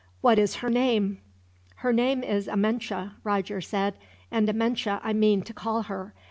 What is her name?" "Her name is Amenche," Roger said; "and Amenche I mean to call her.